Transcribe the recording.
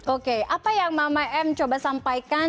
oke apa yang mama m coba sampaikan